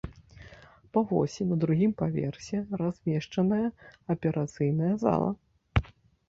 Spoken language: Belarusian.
Па восі на другім паверсе размешчаная аперацыйная зала.